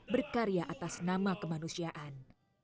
berkarya atas nama kemanusiaan